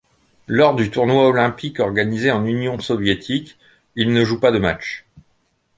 Lors du tournoi olympique organisé en Union soviétique, il ne joue pas de matchs.